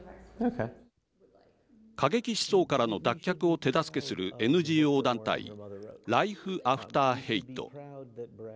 過激思想からの脱却を手助けするＮＧＯ団体ライフ・アフター・ヘイト。